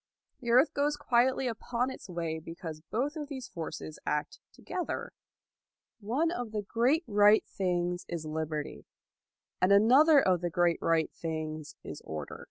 The earth goes quietly upon its way because both of these forces act together. So it is with our life. One of the great right things is liberty, and another of the great right things is order.